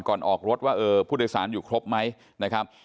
ก่อนออกรถว่าผู้โดยศาลอยู่ครบไหมนะครับ